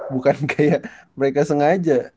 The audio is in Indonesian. bukan kayak mereka sengaja